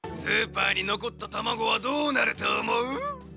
スーパーにのこったたまごはどうなるとおもう？